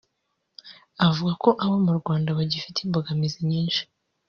avuga ko abo mu Rwanda bagifite imbogamizi nyinshi